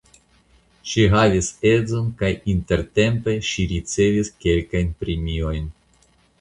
Ŝi havis edzon kaj intertempe ŝi ricevis kelkajn premiojn.